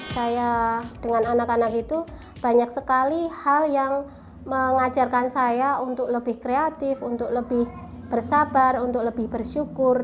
saya dengan anak anak itu banyak sekali hal yang mengajarkan saya untuk lebih kreatif untuk lebih bersabar untuk lebih bersyukur